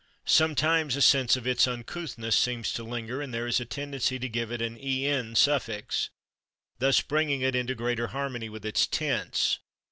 Sometimes a sense of its uncouthness seems to linger, and there is a tendency to give it an /en/ suffix, thus bringing it into greater harmony with its tense.